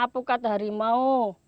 apu pukat harimau